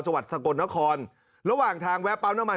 จังหวัดสกลนครระหว่างทางแวะปั๊มน้ำมัน